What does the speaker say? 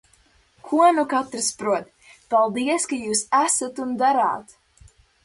Ko nu katrs prot! Paldies, ka jūs esat un darāt!